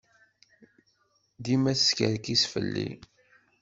Dima teskerkis fell-i.